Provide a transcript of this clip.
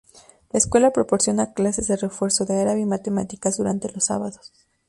La escuela proporciona clases de refuerzo de árabe y matemáticas durante los sábados.